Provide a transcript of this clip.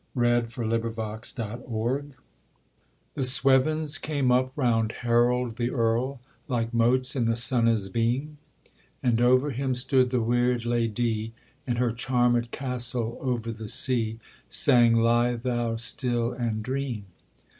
1839. THE WEIRD LADY The swevens came up round Harold the Earl, Like motes in the sunnes beam; And over him stood the Weird Lady, In her charmed castle over the sea, Sang 'Lie thou still and dream.'